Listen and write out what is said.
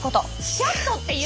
「シャット」って言う？